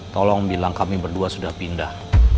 tolong bilang kami berdua sudah pindah